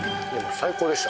最高でした